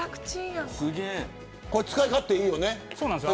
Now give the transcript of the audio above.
これ、使い勝手いいよね。